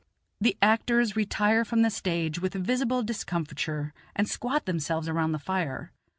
The actors retire from the stage with visible discomfiture and squat themselves around the fire.